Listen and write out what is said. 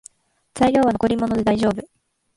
材料は残り物でだいじょうぶ